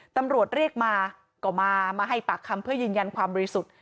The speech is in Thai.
ตำรวจเรียกมาก็มามาให้ปากคำเพื่อยืนยันความบริสุทธิ์